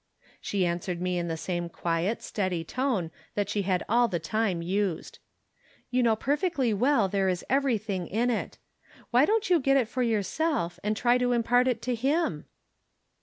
She answered me in the same quiet, steady tone that she had all the time used. " You know perfectly well there is everything in it. Why don't you get it for yourself, and try to impart it to him